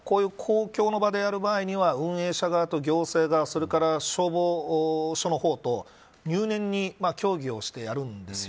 ただ、こういう公共の場でやる場合には運営者側と行政側それから消防署の方と入念に協議をしてやるんです。